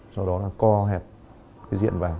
sau đó là co hẹp diện vào